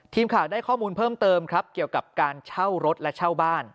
ทีมข่าวได้ข้อมูลเพิ่มเติมครับเกี่ยวกับการเช่ารถและเช่าบ้าน